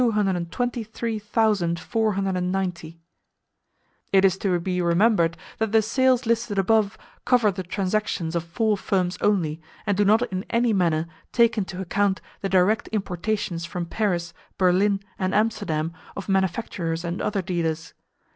9,472 Other Birds. Total number of birds 223,490 [Page 122] It is to be remembered that the sales listed above cover the transactions of four firms only, and do not in any manner take into account the direct importations from Paris, Berlin and Amsterdam of manufacturers and other dealers.